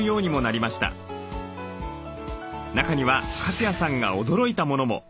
中には粕谷さんが驚いたものも。